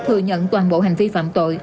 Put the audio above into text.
thừa nhận toàn bộ hành vi phạm tội